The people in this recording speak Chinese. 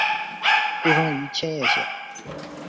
出身于千叶县。